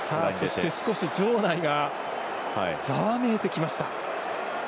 場内がざわめいてきました。